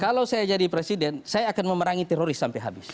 kalau saya jadi presiden saya akan memerangi teroris sampai habis